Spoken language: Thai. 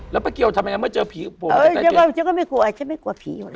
แล้วเกี๊ยวทำยังไงเมื่อเจอผี